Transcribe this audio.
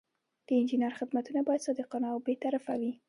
د انجینر خدمتونه باید صادقانه او بې طرفه وي.